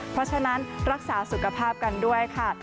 เพราะฉะนั้นรักษาสุขภาพกันด้วยค่ะ